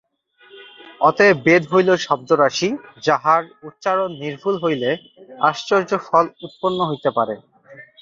অতএব বেদ হইল শব্দরাশি, যাহার উচ্চারণ নির্ভুল হইলে আশ্চর্য ফল উৎপন্ন হইতে পারে।